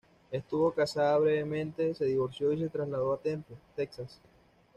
Estuvo casada brevemente, se divorció, y se trasladó a Temple, Texas.